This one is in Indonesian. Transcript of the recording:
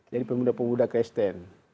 jadi pemuda pemuda kristen